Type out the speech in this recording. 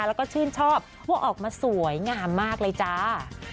แล้วก็ชื่นชอบว่าออกมาสวยงามมากเลยจ้า